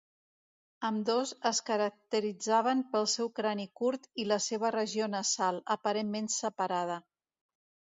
Ambdós es caracteritzaven pel seu crani curt i la seva regió nasal, aparentment separada.